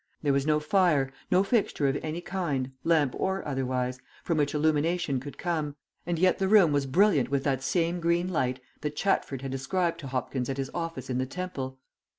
There was no fire, no fixture of any kind, lamp or otherwise, from which illumination could come, and yet the room was brilliant with that same green light that Chatford had described to Hopkins at his office in the Temple.